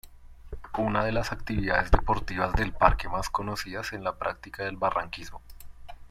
Una de las actividades deportivas del Parque más conocidas es la práctica del barranquismo.